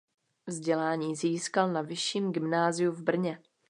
Vzdělání získal na vyšším gymnáziu v Brně.